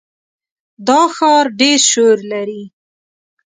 دا ښار ډېر شور لري.